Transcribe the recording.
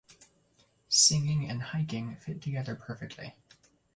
Singing and hiking fit together perfectly.